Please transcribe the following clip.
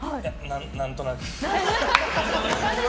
何となく。